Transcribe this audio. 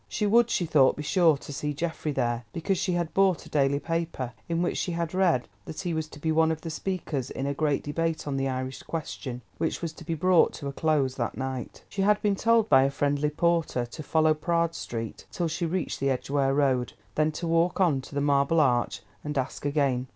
She would, she thought, be sure to see Geoffrey there, because she had bought a daily paper in which she had read that he was to be one of the speakers in a great debate on the Irish Question, which was to be brought to a close that night. She had been told by a friendly porter to follow Praed Street till she reached the Edgware Road, then to walk on to the Marble Arch, and ask again.